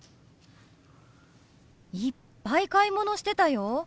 いっぱい買い物してたよ。